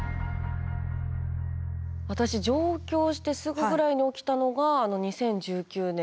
私上京してすぐぐらいに起きたのが２０１９年の台風１９号。